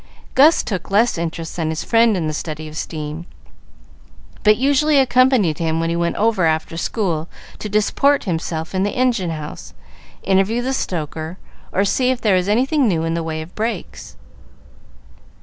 Gus took less interest than his friend in the study of steam, but usually accompanied him when he went over after school to disport himself in the engine house, interview the stoker, or see if there was anything new in the way of brakes.